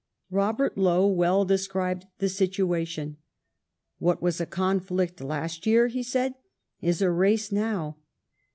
Robert Lowe well described the situation. " What was a conflict last year," he said, "is a race now."